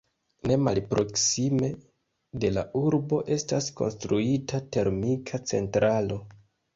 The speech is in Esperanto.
Ne malproksime de la urbo estas konstruita termika centralo.